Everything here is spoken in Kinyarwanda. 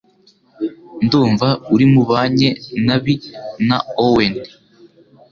Ndumva uri mubanye nabi na Owen